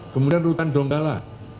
kemudian rutan donggala